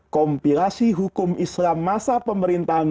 kompilasi hukum islam masa pemerintahan